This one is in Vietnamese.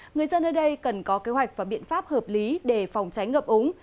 người dân ở đây cần có kế hoạch và biện pháp hợp lý để phòng tránh ngập úng